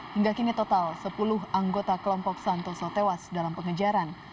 hingga kini total sepuluh anggota kelompok santoso tewas dalam pengejaran